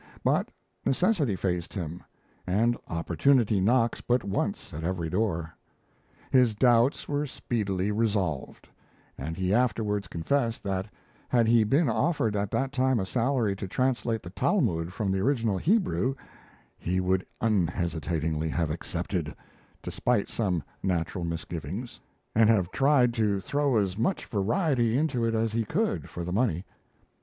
But necessity faced him; and opportunity knocks but once at every door. His doubts were speedily resolved; and he afterwards confessed that, had he been offered at that time a salary to translate the Talmud from the original Hebrew, he would unhesitatingly have accepted, despite some natural misgivings, and have tried to throw as much variety into it as he could for the money.